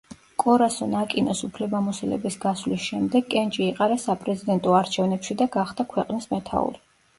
კორასონ აკინოს უფლებამოსილების გასვლის შემდეგ კენჭი იყარა საპრეზიდენტო არჩევნებში და გახდა ქვეყნის მეთაური.